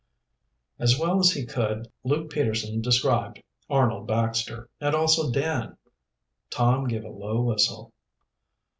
As well as he could Luke Peterson described Arnold Baxter, and also Dan. Tom gave a low whistle.